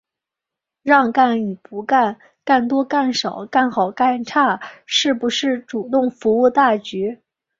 让干与不干、干多干少、干好干差、是不是主动服务大局、